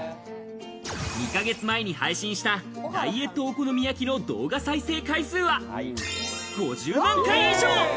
２ヶ月前に配信したダイエットお好み焼きの動画再生回数は５０万回以上。